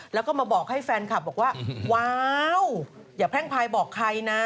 แล้วก็มาบอกให้แฟนคลับบอกว่าว้าวอย่าแพร่งพายบอกใครนะ